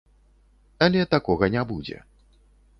Але такога не будзе.